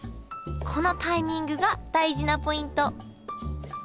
このタイミングが大事なポイント